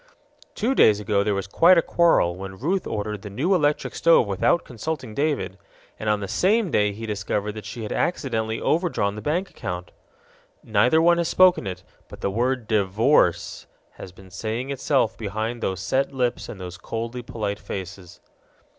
Two days ago there was quite a quarrel, when Ruth ordered the new electric stove without consulting David and on the same day he discovered that she had accidentally overdrawn the bank account! Neither one has spoken it, but the word DIVORCE has been saying itself behind those set lips and those coldly polite faces.